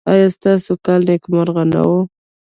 ایا ستاسو کال نیکمرغه نه و؟